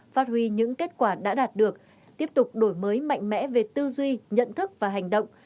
phát huy những kết quả đã đạt được tiếp tục đổi mới mạnh mẽ về tư duy nhận thức và hành động